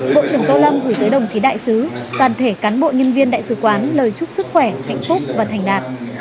bộ trưởng tô lâm gửi tới đồng chí đại sứ toàn thể cán bộ nhân viên đại sứ quán lời chúc sức khỏe hạnh phúc và thành đạt